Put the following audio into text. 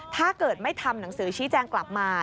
ถ้าเกิดไม่ทำหนังสือชี้แจงกลับมา